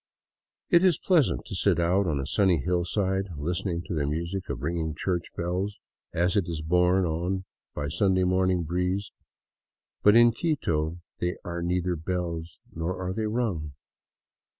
It is pleasant to sit out on a sunny hillside listening to the music of ringing church bells as it is borne by on the Sunday morning breeze; but in Quito they are neither bells nor are they rung.